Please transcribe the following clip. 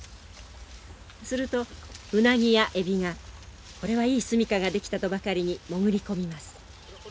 するとウナギやエビがこれはいい住みかが出来たとばかりに潜り込みます。